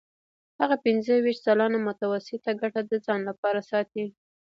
هغه پنځه ویشت سلنه متوسطه ګټه د ځان لپاره ساتي